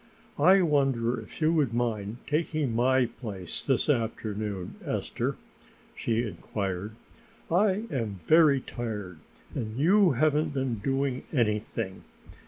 "I wonder if you would mind taking my place this afternoon, Esther?" she inquired. "I am very tired and you haven't been doing anything.